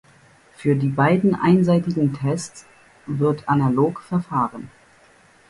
Für die beiden einseitigen Tests wird analog verfahren.